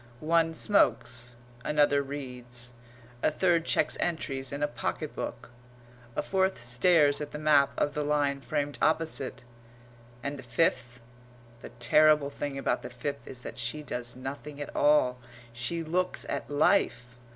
One smokes; another reads; a third checks entries in a pocket book; a fourth stares at the map of the line framed opposite; and the fifth the terrible thing about the fifth is that she does nothing at all. She looks at life.